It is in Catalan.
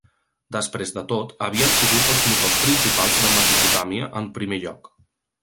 Després de tot, havien sigut els motors principals de Mesopotàmia en primer lloc.